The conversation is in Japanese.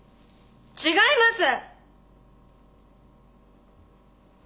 違います！